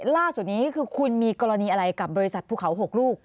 ล่าสุดนี้คือคุณมีกรณีอะไรกับบริษัทภูเขา๖ลูก